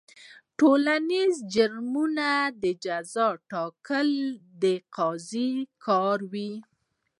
د ټولنیزو جرمونو د جزا ټاکل د قاضي کار و.